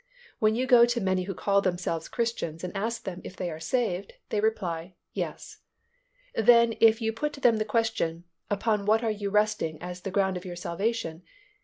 When you go to many who call themselves Christians and ask them if they are saved, they reply, "Yes." Then if you put to them the question "Upon what are you resting as the ground of your salvation?"